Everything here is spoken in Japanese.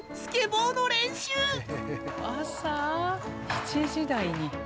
７時台に。